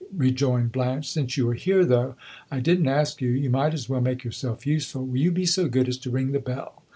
rejoined Blanche. "Since you are here, though I did n't ask you, you might as well make yourself useful. Will you be so good as to ring the bell?